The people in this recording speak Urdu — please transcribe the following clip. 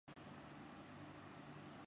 جہاں یہ جانور اپنی خوراک کی تلاش میں آتے ہیں